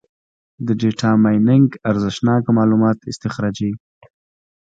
د ډیټا مایننګ ارزښتناکه معلومات استخراجوي.